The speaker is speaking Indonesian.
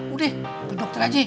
udah ke dokter aja